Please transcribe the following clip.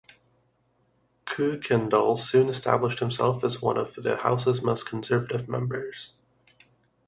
Kuykendall soon established himself as one of the House's most conservative members.